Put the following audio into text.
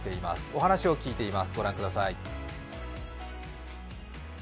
お話を聞いています、御覧ください。